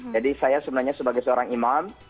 jadi saya sebenarnya sebagai seorang imam